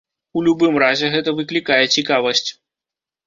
У любым разе гэта выклікае цікавасць.